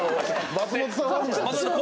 松本さん